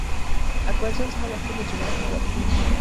اکبر جان سهار وختي له جومات نه راستون شو.